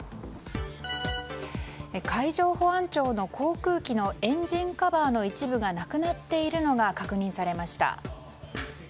海上保安庁の航空機のエンジンカバーの一部がなくなっているのが確認されました。